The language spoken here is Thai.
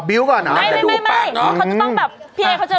ไม่พี่เอเขาจะต้องรู้มุมว่าต้องแบบว่า